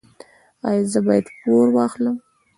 ایا زه باید پور واخلم؟